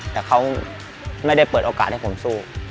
แต่เขาไม่ได้เปิดโอกาสให้ผมสู้